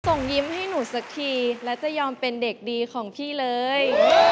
ส่งยิ้มให้หนูสักทีและจะยอมเป็นเด็กดีของพี่เลย